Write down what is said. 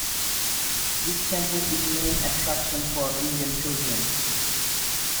This temple is main attraction for Indian pilgrims.